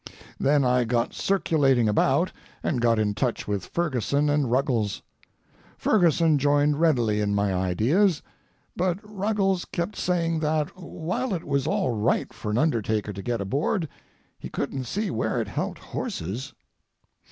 Then I got circulating about, and got in touch with Ferguson and Ruggles. Ferguson joined readily in my ideas, but Ruggles kept saying that, while it was all right for an undertaker to get aboard, he couldn't see where it helped horses.